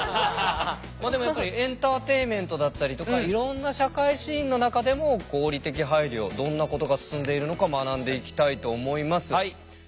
まあでもやっぱりエンターテインメントだったりとかいろんな社会シーンの中でも合理的配慮どんなことが進んでいるのか学んでいきたいと思います。